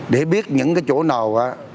để biết những cái chỗ nào